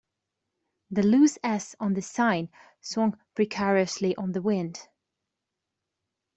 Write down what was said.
The loose S on the sign swung precariously in the wind.